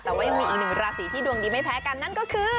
แต่ว่ายังมีอีกหนึ่งราศีที่ดวงดีไม่แพ้กันนั่นก็คือ